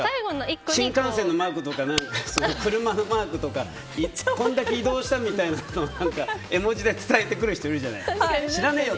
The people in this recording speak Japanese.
新幹線のマークとか車のマークとかこんだけ移動したみたいなのを絵文字で伝えてくる人いるじゃないですか。